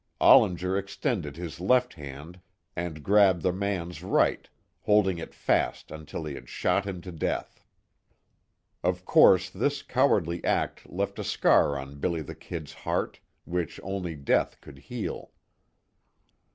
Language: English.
Ollinger extended his left hand, and grabbed the man's right, holding it fast until he had shot him to death. Of course this cowardly act left a scar on "Billy the Kid's" heart, which only death could heal.